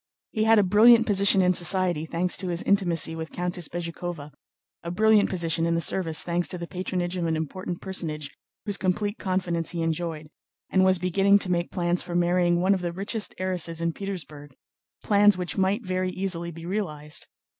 He had a brilliant position in society thanks to his intimacy with Countess Bezúkhova, a brilliant position in the service thanks to the patronage of an important personage whose complete confidence he enjoyed, and he was beginning to make plans for marrying one of the richest heiresses in Petersburg, plans which might very easily be realized.